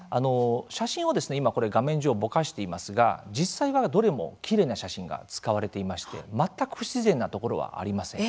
写真を画面上、ぼかしていますが実際はどれもきれいな写真が使われていまして全く不自然なところはありません。